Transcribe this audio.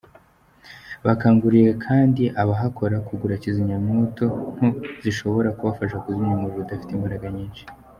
Bakanguriye kandi abahakorera kugura kizimyamwoto nto zishobora kubafasha kuzimya umuriro udafite imbaraga nyinshi.